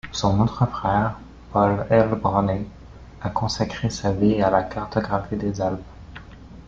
Son autre frère, Paul Helbronner a consacré sa vie à la cartographie des Alpes.